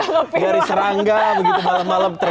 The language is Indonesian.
dari serangga begitu malam malam